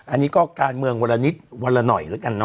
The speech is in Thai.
อันนี้ก็การเมืองวันนิดวันน่อยเหลือกันน่ะ